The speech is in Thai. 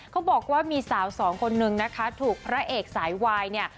เขาบอกว่ามีสาวสองคนนึงนะคะถูกพระเอกสายวายเนี่ย